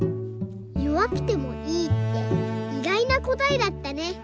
「よわくてもいい」っていがいなこたえだったね。